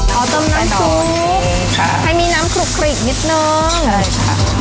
เอาต้มน้ำซุปนี่ค่ะให้มีน้ำขลุกขลิกนิดหนึ่งใช่ค่ะ